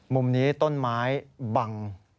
มุมนี้ต้นไม้บัง